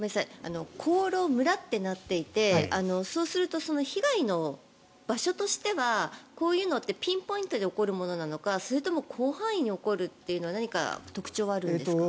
香呂村ってなっていてそうすると、被害の場所としてはこういうのってピンポイントで起こるものなのかそれとも広範囲に起こるというのは何か特徴はあるんですか？